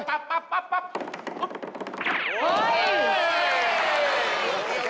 เฮ้ย